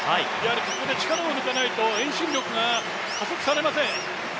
ここで力を抜かないと遠心力が加速されません。